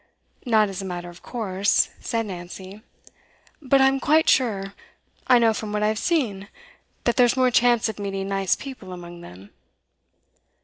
'Not as a matter of course,' said Nancy. 'But I'm quite sure I know from what I've seen that there's more chance of meeting nice people among them.